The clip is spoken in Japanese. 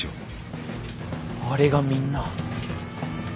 あれがみんな。